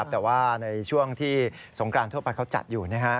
แต่ว่าในช่วงที่สงกรานทั่วไปเขาจัดอยู่